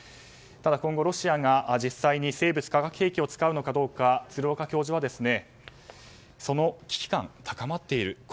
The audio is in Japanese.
ただ今後、ロシアが実際に生物・化学兵器を使うのかどうか鶴岡教授はその危機感が高まっている。